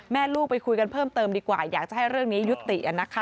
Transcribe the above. ลูกไปคุยกันเพิ่มเติมดีกว่าอยากจะให้เรื่องนี้ยุติ